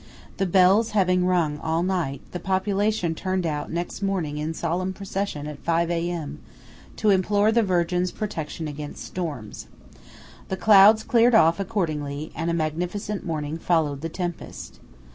The bells having rung all night, the population turned out next morning in solemn procession at five A.M. to implore the Virgin's protection against storms. The clouds cleared off accordingly, and a magnificent morning followed the tempest.